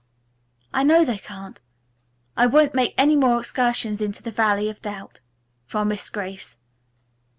"I know they can't. I won't make any more excursions into the Valley of Doubt," promised Grace.